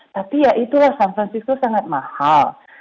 tapi ya itulah san francisco sangat mahal